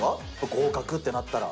合格ってなったら。